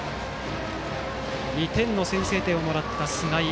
２点の先制点をもらった菅井。